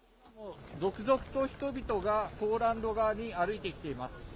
今も続々と人々がポーランド側に歩いてきています。